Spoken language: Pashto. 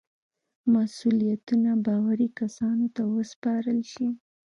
مسئولیتونه باوري کسانو ته وسپارل شي.